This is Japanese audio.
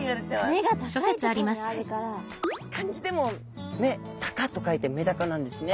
漢字でも「目高」と書いてメダカなんですね。